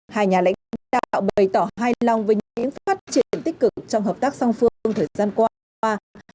hai nhà lãnh đạo bày tỏ hài lòng với những phát triển tích cực trong hợp tác song phương trong thời gian qua